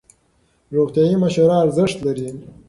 روغتیایي مشوره ارزښت لري.